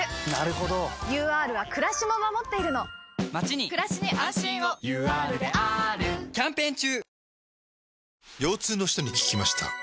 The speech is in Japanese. ＵＲはくらしも守っているのまちにくらしに安心をＵＲであーるキャンペーン中！